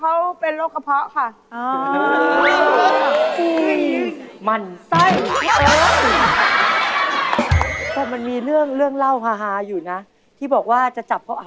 แล้วก็ล้างชามกับดุ่งข้าวทำออกข้าวค่ะ